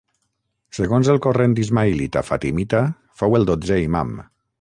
Segons el corrent ismaïlita fatimita fou el dotzè imam.